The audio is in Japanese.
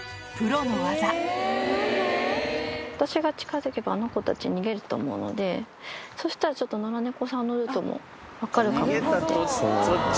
私が近づけばあの子たち、逃げると思うので、そうしたらちょっと野良猫さんのルートも分かるかも。